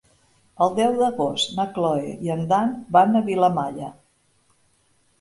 El deu d'agost na Cloè i en Dan van a Vilamalla.